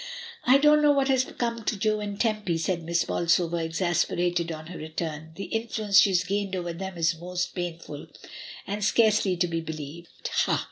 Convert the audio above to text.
"I don't know what has come to Jo and Tempy," said Miss Bolsover, exasperated on her return. "The influence she has gained over them is most painful, and scarcely to be believed." "Ha!